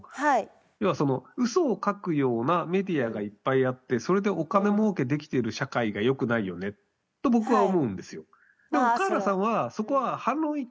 要はその嘘を書くようなメディアがいっぱいあってそれでお金儲けできている社会が良くないよねと僕は思うんですよ。